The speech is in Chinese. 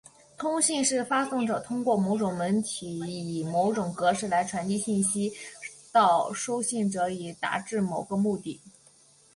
通信是发送者通过某种媒体以某种格式来传递信息到收信者以达致某个目的。